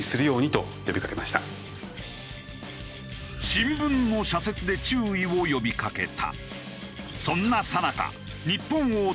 新聞の社説で注意を呼びかけた。